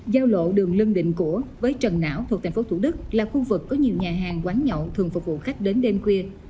giao lộ đường lân định của với trần não thuộc tp thủ đức là khu vực có nhiều nhà hàng quán nhậu thường phục vụ khách đến đêm khuya